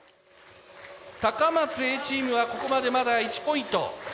高松Ａチームはここまでまだ１ポイント。